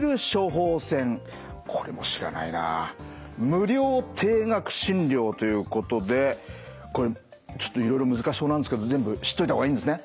これも知らないな。ということでこれちょっといろいろ難しそうなんですけど全部知っといた方がいいんですね？